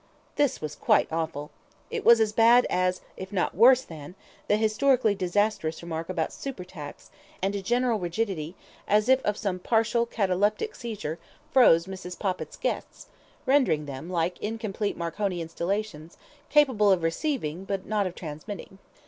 ... This was quite awful: it was as bad as, if not worse than, the historically disastrous remark about super tax, and a general rigidity, as of some partial cataleptic seizure, froze Mrs. Poppit's guests, rendering them, like incomplete Marconi installations, capable of receiving, but not of transmitting.